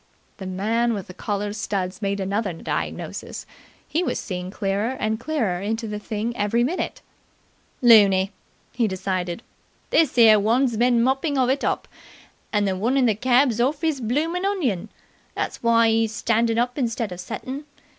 '" The man with the collar studs made another diagnosis. He was seeing clearer and clearer into the thing every minute. "Looney!" he decided. "This 'ere one's bin moppin' of it up, and the one in the keb's orf 'is bloomin' onion. That's why 'e 's standin' up instead of settin'.